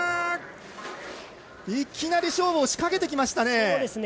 いきなり勝負を仕掛けできましたね。